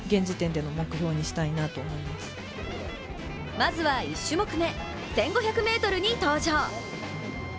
まずは１種目め、１５００ｍに登場。